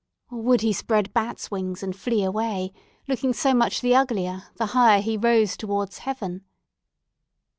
Or would he spread bat's wings and flee away, looking so much the uglier the higher he rose towards heaven?